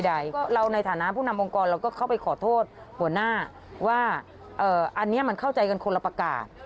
เพราะเราในฐานะผู้นำองค์กรเราก็เข้าไปขอโทษหัวหน้าว่าอันนี้มันเข้าใจกันคนละประกาศ